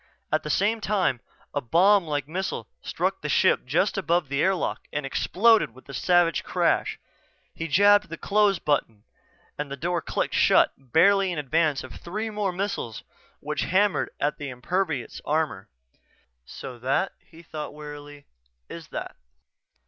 At the same time a bomb like missile struck the ship just above the airlock and exploded with a savage crash. He jabbed the Close button and the door clicked shut barely in advance of three more missiles which hammered at its impervious armor. So that, he thought wearily, is that.